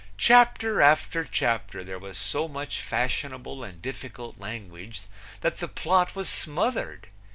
Chapter after chapter there was so much fashionable and difficult language that the plot was smothered.